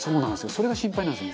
それが心配なんですよね」